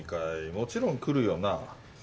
もちろん来るよな？